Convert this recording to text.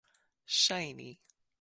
ŝajni